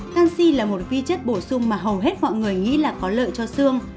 canxi là một vi chất bổ sung mà hầu hết mọi người nghĩ là có lợi cho xương